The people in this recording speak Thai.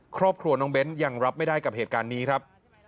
ครอบครัวน้องเบ้นยังรับไม่ได้กับเหตุการณ์นี้ครับ